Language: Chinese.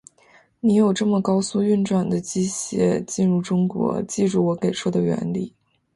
你有这么高速运转的机械进入中国，记住我给出的原理。